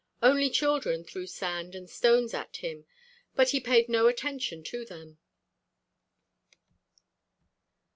Only children threw sand and stones at him, but he paid no attention to them.